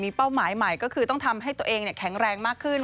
เป้าหมายใหม่ก็คือต้องทำให้ตัวเองแข็งแรงมากขึ้น